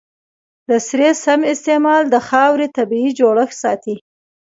د سرې سم استعمال د خاورې طبیعي جوړښت ساتي.